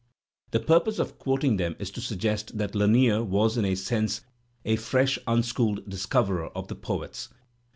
The purpose of quoting them is to suggest that Lanier was in a sense a fresh unschooled discoverer of the poets.